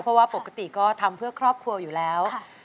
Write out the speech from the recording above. เพราะว่าปกติก็ทำเพื่อครอบครัวอยู่แล้ว